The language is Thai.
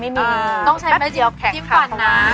แบบเดียวที่จะคัดคำนะ